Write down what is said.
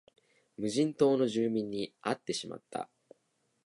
無人島の住民に会ってしまった